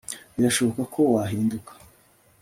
birashoboka ko wahinduka